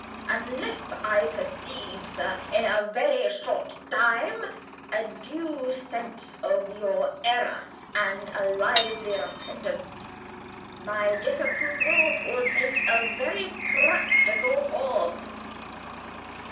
Unless I perceive, sir, in a very short time a due sense of your error and a lively repentance, my disapproval will take a very practical form."